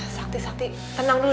sakti sakti tenang dulu